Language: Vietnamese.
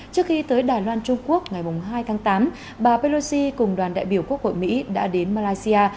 trước khi tới đài loan trung quốc ngày hai tháng tám bà pelosi cùng đoàn đại biểu quốc hội mỹ đã đến malaysia